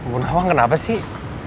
bu nawang kenapa sih